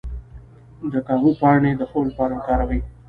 د کاهو پاڼې د خوب لپاره وکاروئ